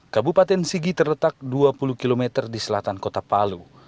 kabupaten sigi terletak dua puluh km di selatan kota palu